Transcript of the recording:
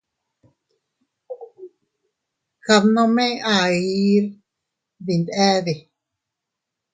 Kad nome ahir dindade.